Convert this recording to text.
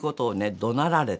どなられた。